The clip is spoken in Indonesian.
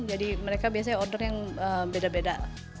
jadi mereka biasanya order yang berbeda